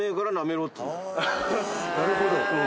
あなるほど。